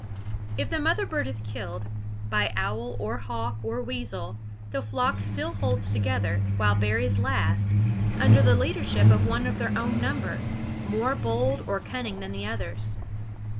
If the mother bird is killed, by owl or hawk or weasel, the flock still holds together, while berries last, under the leadership of one of their own number, more bold or cunning than the others.